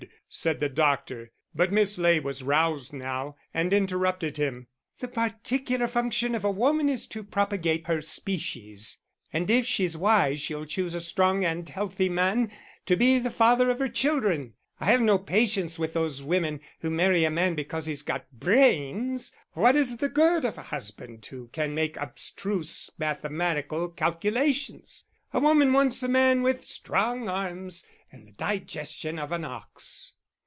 said the doctor. But Miss Ley was roused now, and interrupted him: "The particular function of a woman is to propagate her species; and if she's wise she'll choose a strong and healthy man to be the father of her children. I have no patience with those women who marry a man because he's got brains. What is the good of a husband who can make abstruse mathematical calculations? A woman wants a man with strong arms and the digestion of an ox."